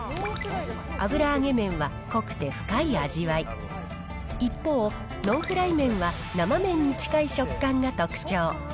油揚げ麺は濃くて深い味わい、一方、ノンフライ麺は生麺に近い食感が特徴。